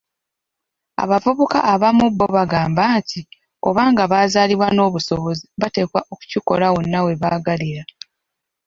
Abavubuka abamu bo bagamba nti, obanga bazaalibwa n'obusobozi bateekwa okukikola wonna we baagalira.